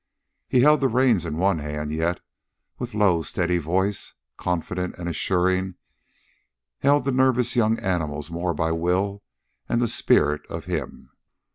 He held the reins in one hand, yet, with low, steady voice, confident and assuring, held the nervous young animals more by the will and the spirit of him.